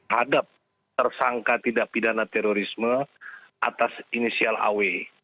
hadap tersangka tidak pidana terorisme atas inisial aw